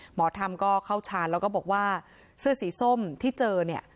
หมอธรรมก็เข้าชาญแล้วก็บอกว่าเสื้อสีส้มที่เจอเนี่ย